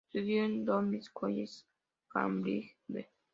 Estudió en Downing College, Cambridge.